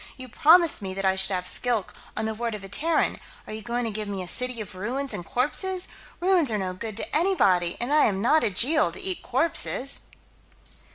"You promised me that I should have Skilk, on the word of a Terran. Are you going to give me a city of ruins and corpses? Ruins are no good to anybody, and I am not a Jeel, to eat corpses."